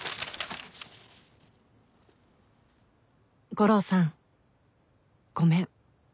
「悟郎さんごめん」